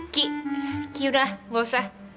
ki ki udah gausah